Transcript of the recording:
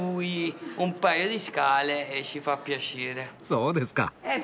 そうですか。